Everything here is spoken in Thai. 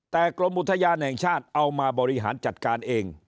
แต่กรมอุทยานแห่งชาติเอามาบริหารจัดการเอง